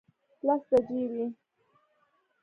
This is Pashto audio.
لس بجې وې.